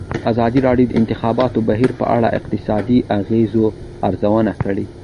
ازادي راډیو د د انتخاباتو بهیر په اړه د اقتصادي اغېزو ارزونه کړې.